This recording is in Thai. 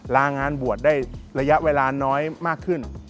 ลางานบวชได้ระยะเวลาน้อยมากขึ้น